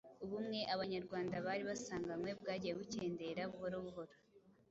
Ubumwe Abanyarwanda bari basanganywe bwagiye bukendera buhoro buhoro.